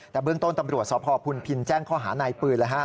แต่เบื้องต้นตำรวจสพพุนพินแจ้งข้อหานายปืน